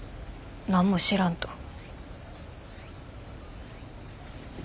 何も知らんと。